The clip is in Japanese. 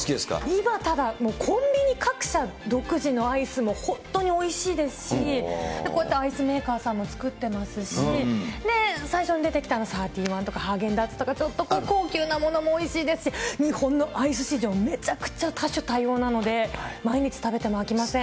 今、ただ、コンビニ各社独自のアイスも本当においしいですし、こうやってアイスメーカーさんも作ってますし、で、最初に出てきたサーティワンとかハーゲンダッツとか、ちょっと高級なものもおいしいですし、日本のアイス市場、めちゃくちゃ多種多様なので、毎日食べても飽きません。